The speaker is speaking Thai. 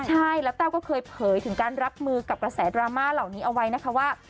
ใช่แล้วแต้วก็เคยเผยถึงการรับมือกับกระแสดราม่าเหล่านี้เอาไว้นะคะว่า